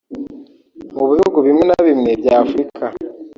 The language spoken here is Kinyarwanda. Mu bihugu bimwe na bimwe bya Afurika